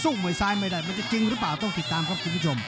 สู้มวยซ้ายไม่ได้ต้องติดตามครับคุณผู้ชม